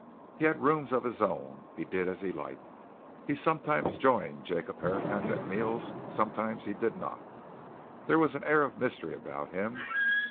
He had rooms of his own; he did as he liked. Sometimes he joined Jacob Herapath at meals; sometimes he did not. There was an air of mystery about him.